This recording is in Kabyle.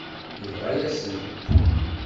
Yesbeɣ-asen-t.